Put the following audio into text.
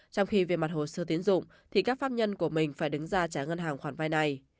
trong khi về mặt hồ sơ tiến dụng thì các pháp nhân của mình phải đứng ra trả ngân hàng khoản vai này